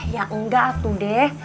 ya enggak tuh deh